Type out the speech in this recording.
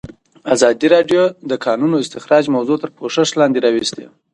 ازادي راډیو د د کانونو استخراج موضوع تر پوښښ لاندې راوستې.